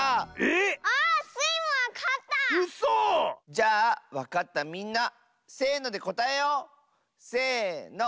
じゃあわかったみんなせのでこたえよう！せの。